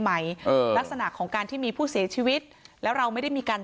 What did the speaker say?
ไหมเออลักษณะของการที่มีผู้เสียชีวิตแล้วเราไม่ได้มีการ